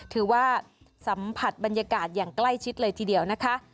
ถือว่าสัมผัสบรรยากาศอย่างใกล้ชิดเลยทีเดียวนะคะ